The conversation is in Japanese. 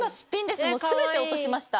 全て落としました。